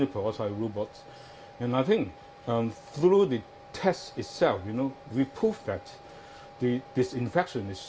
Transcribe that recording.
dan kita telah menerima banyak tes untuk menunjukkan itu